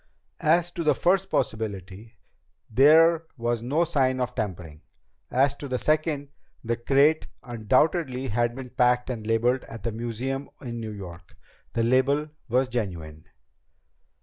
"As to the first possibility, there was no sign of tampering. As to the second, the crate undoubtedly had been packed and labeled at the museum in New York. The label was genuine."